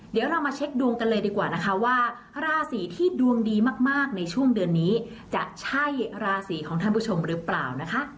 เดี๋ยวเรามาเช็คดวงกันเลยดีกว่านะคะว่าราศีที่ดวงดีมากในช่วงเดือนนี้จะใช่ราศีของท่านผู้ชมหรือเปล่านะคะ